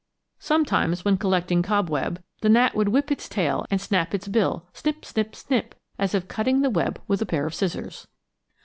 Sometimes, when collecting cobweb, the gnat would whip its tail and snap its bill snip, snip, snip, as if cutting the web with a pair of scissors.